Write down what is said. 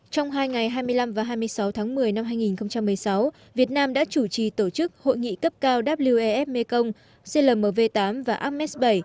trong hai ngày hai mươi năm và hai mươi sáu tháng một mươi năm hai nghìn một mươi sáu việt nam đã chủ trì tổ chức hội nghị cấp cao wef mekong clmv tám và ames bảy